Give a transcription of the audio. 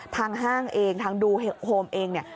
ห้างเองทางดูโฮมเองเนี่ย